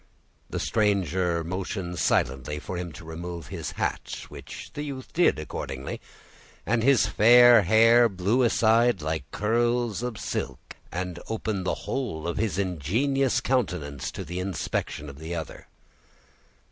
The stranger motioned silently for him to remove his hat, which the youth did accordingly, and his fair hair blew aside like curls of silk, and opened the whole of his ingenuous countenance to the inspection of the other.